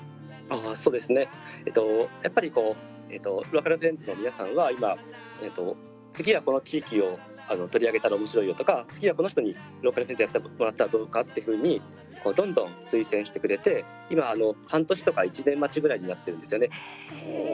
そうですね、やっぱりローカルフレンズの皆さんは今、次はこの地域を取り上げたらおもしろいよとか、次はこの人にローカルフレンズやってもらったらどうかってふうにどんどん推薦してくれて今、半年とか１年待ちぐらいになってるんですよね。